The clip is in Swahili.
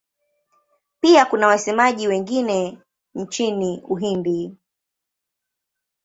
Pia kuna wasemaji wengine nchini Uhindi.